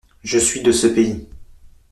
Je suis de ce pays.